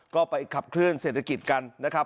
ก็ไปขับเคลื่อนเศรษฐกิจกันนะครับ